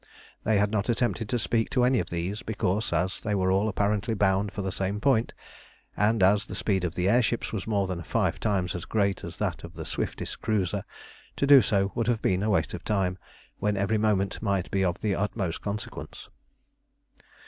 They had not attempted to speak to any of these, because, as they were all apparently bound for the same point, and, as the speed of the air ships was more than five times as great as that of the swiftest cruiser, to do so would have been a waste of time, when every moment might be of the utmost consequence.